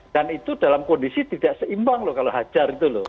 dan itu dalam kondisi tidak seimbang loh kalau hajar itu loh